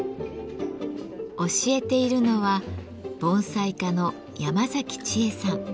教えているのは盆栽家の山崎ちえさん。